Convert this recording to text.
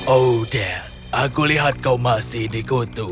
odette aku lihat kau masih dikutuk